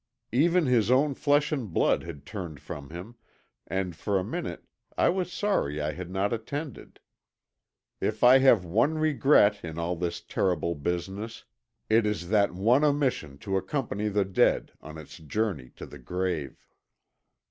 Even his own flesh and blood had turned from him, and for a minute I was sorry I had not attended. If I have one regret in all this terrible business it is that one omission to accompany the dead on its journey to the grave.